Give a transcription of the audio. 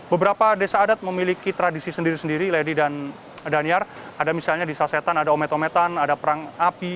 beberapa desa adat memiliki tradisi sendiri sendiri lady dan daniar ada misalnya di sasetan ada omet ometan ada perang api